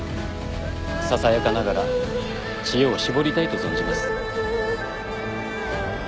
ささやかながら知恵を絞りたいと存じます。